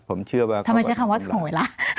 ทำไมใช่คำว่าถ่วงเวลา